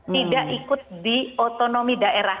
tidak ikut di otonomi